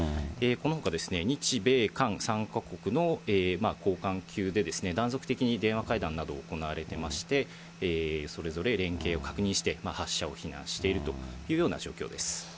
このほかですね、日米韓３か国の高官級で、断続的に電話会談など、行われてまして、それぞれ連携を確認して、発射を非難しているというような状況です。